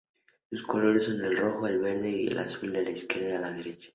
Sus colores son el rojo, el verde y el azul, de izquierda a derecha.